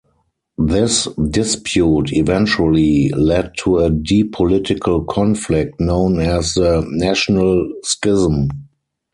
This dispute eventually led to a deep political conflict, known as the "National Schism".